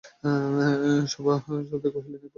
সভাসদেরা কহিলেন, এ অপরাধের কেবল অর্থদণ্ড হইতে পারে।